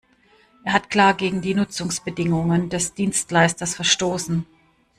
Er hat klar gegen die Nutzungsbedingungen des Dienstleisters verstoßen.